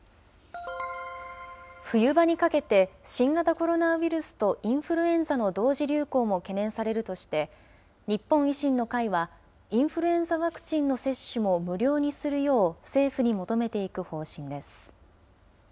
冬場にかけて、新型コロナウイルスとインフルエンザの同時流行も懸念されるとして、日本維新の会は、インフルエンザワクチンの接種も無料にするよう、政府に求めていく方針です。